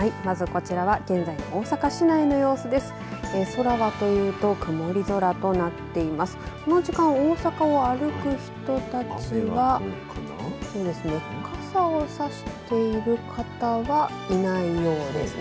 この時間、大阪を歩く人たちは傘を差している方はいないようですね。